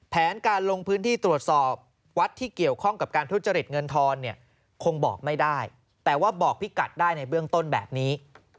แผนการลงพื้นที่ตรวจสอบวัดที่เกี่ยวข้องกับการทุจริตเงินทอนเนี่ยคงบอกไม่ได้แต่ว่าบอกพี่กัดได้ในเบื้องต้นแบบนี้